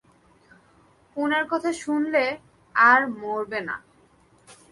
উনার কথা শুনলে, আর মারবে না।